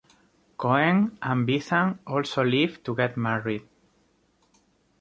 Cohen and Bethan also leave to get married.